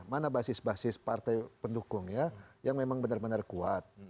mana basis basis partai pendukung ya yang memang benar benar kuat